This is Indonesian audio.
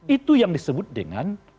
betul itu yang disebut dengan pernyataan